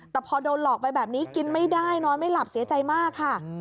แต่พอโดนหลอกไปแบบนี้กินไม่ได้นอนไม่หลับเสียใจมากค่ะ